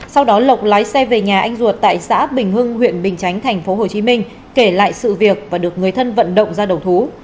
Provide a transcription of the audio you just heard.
sau đó lộc lái xe về nhà anh ruột tại xã bình hưng huyện bình chánh tp hcm kể lại sự việc và được người thân vận động ra đầu thú